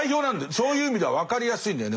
そういう意味では分かりやすいんだよね。